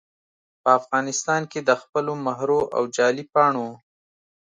په افغانستان کې دخپلو مهرو او جعلي پاڼو